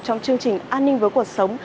trong chương trình an ninh với cuộc sống